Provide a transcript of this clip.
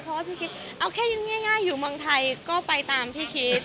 เพราะว่าพี่คิดเอาแค่ง่ายอยู่เมืองไทยก็ไปตามที่คิด